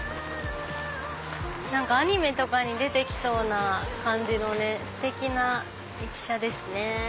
何かアニメとかに出てきそうな感じのステキな駅舎ですね。